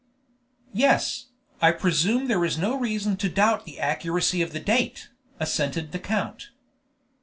"Yes; I presume there is no reason to doubt the accuracy of the date," assented the count.